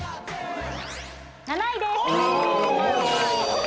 ７位です。